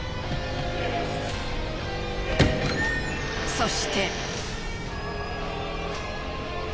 そして。